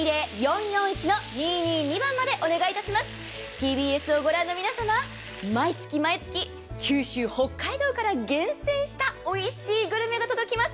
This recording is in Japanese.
ＴＢＳを御覧の皆様、毎月毎月、北海道、九州から厳選したおいしいグルメが届きます。